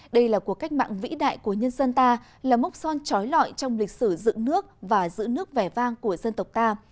đây là cuộc cách mạng vĩ đại của nhân dân ta là mốc son trói lọi trong lịch sử dựng nước và giữ nước vẻ vang của dân tộc ta